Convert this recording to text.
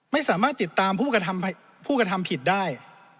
ไม่สามารถติดตามผู้กระทำผิดได้